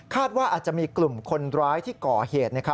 ว่าอาจจะมีกลุ่มคนร้ายที่ก่อเหตุ